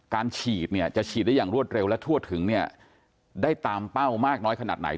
การฉีดเนี่ยจะฉีดได้อย่างรวดเร็วและทั่วถึงเนี่ยได้ตามเป้ามากน้อยขนาดไหน